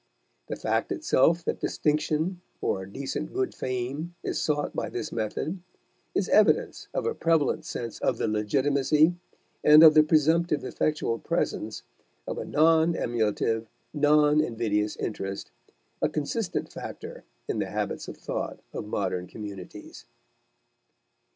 The fact itself that distinction or a decent good fame is sought by this method is evidence of a prevalent sense of the legitimacy, and of the presumptive effectual presence, of a non emulative, non invidious interest, as a consistent factor in the habits of thought of modern communities.